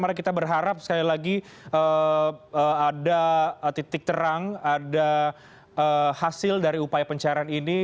mari kita berharap sekali lagi ada titik terang ada hasil dari upaya pencairan ini